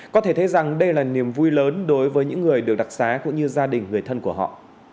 có thể thấy rằng đây là niềm vui lớn đối với những người được đặc xá cũng như gia đình người thân của họ